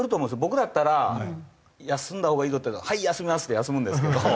僕だったら「休んだほうがいいぞ」って言われたら「はい休みます」って休むんですけど。